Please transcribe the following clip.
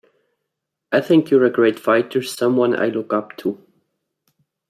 I think you're a great fighter, someone I look up to.